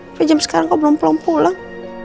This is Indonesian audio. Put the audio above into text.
sampai jam sekarang kok belum pulang